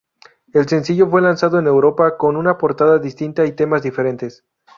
El sencillo fue lanzado en Europa con una portada distinta y temas diferentes.